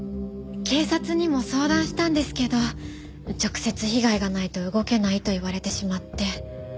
警察にも相談したんですけど直接被害がないと動けないと言われてしまって。